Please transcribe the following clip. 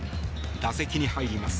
打席に入ります。